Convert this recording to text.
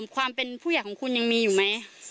ความเป็นผู้ใหญ่ของคุณยังมีอยู่ไหม